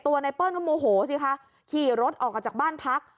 ไนเปิ้ลก็โมโหสิคะขี่รถออกมาจากบ้านพัก